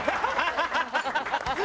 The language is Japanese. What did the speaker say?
ハハハハ！